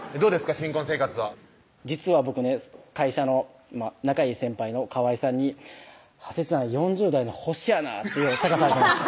新婚生活は実は僕ね会社の仲いい先輩のかわいさんに「はせちゃん４０代の星やな」ってようちゃかされてます